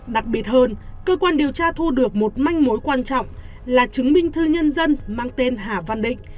đặc biệt hơn cơ quan điều tra thu được một manh mối quan trọng là chứng minh thư nhân dân mang tên hà văn định